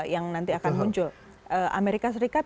yang nanti akan muncul amerika serikat